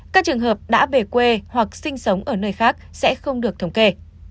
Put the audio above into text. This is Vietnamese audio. các trường hợp đã về quê hoặc sinh sống ở nơi khác sẽ không được thống kê